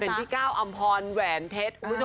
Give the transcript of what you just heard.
เป็นพี่ก้าวอำพอลแหวนเพชร